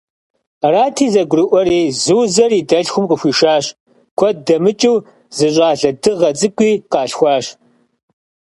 Арати, зэгурыӏуэри Зузэр и дэлъхум къыхуишащ, куэд дэмыкӏыу зы щӏалэ дыгъэ цӏыкӏуи къалъхуащ.